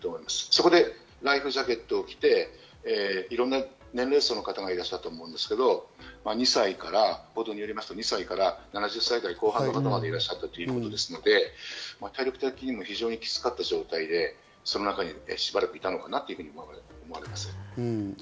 そこでライフジャケットを着て、いろんな年齢層の方がいると思うんですけれど、２歳から７０歳後半の方までいらっしゃったといういうことですので、体力的にも非常にきつかった中で、その中にしばらくいたのかなと思います。